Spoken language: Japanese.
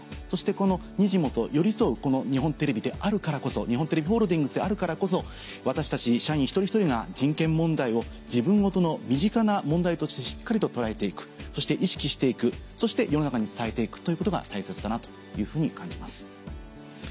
そしてこのにじモと寄り添うこの日本テレビであるからこそ日本テレビホールディングスであるからこそ私たち社員一人一人が人権問題を自分事の身近な問題としてしっかりと捉えて行くそして意識して行くそして世の中に伝えて行くということが大切だなというふうに感じます。